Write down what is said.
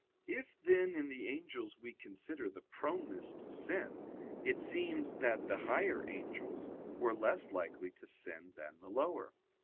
If, then, in the angels we consider the proneness to sin, it seems that the higher angels were less likely to sin than the lower.